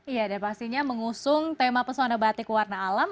iya dan pastinya mengusung tema pesona batik warna alam